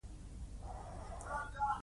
هندي سبک د شعر ویلو یوه ځانګړې لار ده